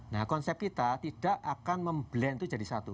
nah konsep kita tidak akan memblend itu jadi satu